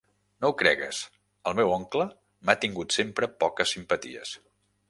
No ho cregues. El meu oncle m'ha tingut sempre poques simpaties